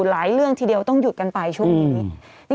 หลายเรื่องทีเดียวต้องหยุดกันไปช่วงนี้